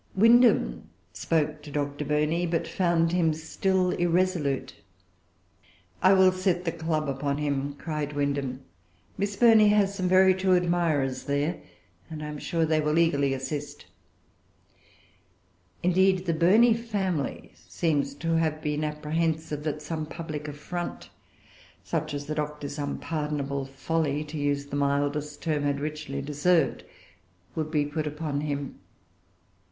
Windham spoke to Dr. Burney; but found him still irresolute. "I will set the club upon him," cried Windham; "Miss Burney has some very true admirers there, and I am sure they will eagerly assist." Indeed, the Burney family seem to have been apprehensive that some public affront, such as the Doctor's unpardonable folly, to use the mildest term, had richly deserved, would be put upon him.